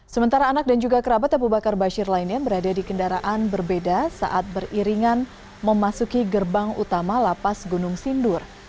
sementara anak dan juga kerabat abu bakar bashir lainnya berada di kendaraan berbeda saat beriringan memasuki gerbang utama lapas gunung sindur